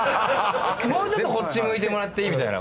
もうちょっとこっち向いてもらっていい？みたいな。